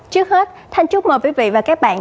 trước hết thanh chúc mời quý vị và các bạn